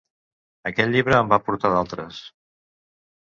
Aquell llibre en va portar d'altres.